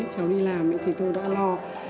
cháu đi làm thì tôi đã lo